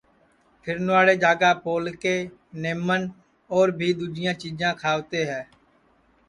پھیرنواڑے جھاگا پولکے، نمن اور بھی دؔوجیاں چیجاں کھاوتے ہے